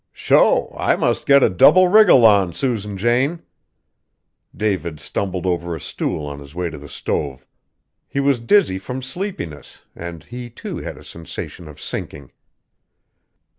"Sho! I must get a double wriggle on, Susan Jane." David stumbled over a stool on his way to the stove; he was dizzy from sleepiness, and he, too, had a sensation of sinking.